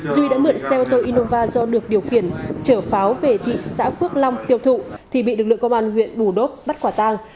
duy đã mượn xe ô tô innova do được điều khiển trở pháo về thị xã phước long tiêu thụ thì bị lực lượng công an huyện bù đốp bắt quả tang